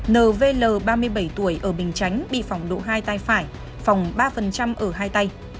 n v l ba mươi bảy tuổi ở bình chánh bị phỏng độ hai tay phải phỏng ba ở hai tay